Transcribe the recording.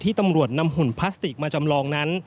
ตำรวจนำหุ่นพลาสติกมาจำลองนั้น